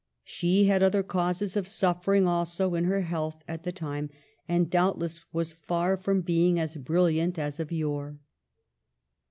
She had other causes of suffering also in her health at the time, and doubtless was far from being as brilliant as of yore.